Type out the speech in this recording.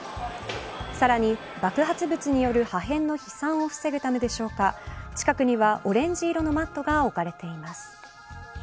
さらに、爆発物による破片の飛散を防ぐためでしょうか近くにはオレンジ色のマットが置かれています。